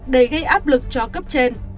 để gây áp lực cho cấp trên